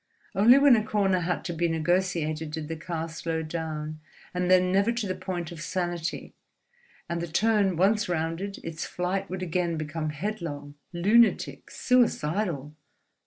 Only when a corner had to be negotiated did the car slow down, and then never to the point of sanity; and the turn once rounded, its flight would again become headlong, lunatic, suicidal.